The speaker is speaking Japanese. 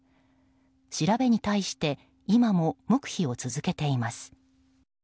調べに対して今も黙秘を続けています。